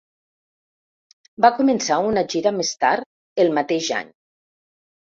Va començar una gira més tard el mateix any.